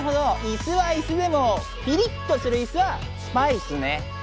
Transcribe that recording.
イスはイスでもピリッとするイスは「スパイス」ね。